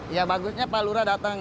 ya bagusnya pak lura datang